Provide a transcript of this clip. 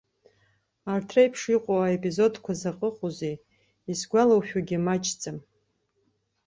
Арҭ реиԥш аепизодқәа заҟа ыҟоузеи, исгәалашәогьы маҷӡам.